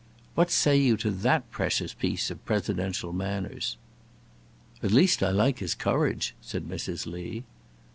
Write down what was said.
What say you to that precious piece of presidential manners?" "At least I like his courage," said Mrs. Lee.